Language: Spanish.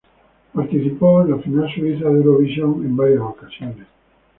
Participó en la final suiza de Eurovisión en varias ocasiones.